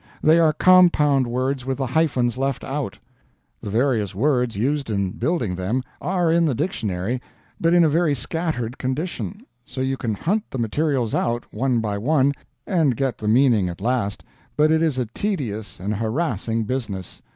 They are compound words with the hyphens left out. The various words used in building them are in the dictionary, but in a very scattered condition; so you can hunt the materials out, one by one, and get at the meaning at last, but it is a tedious and harassing business.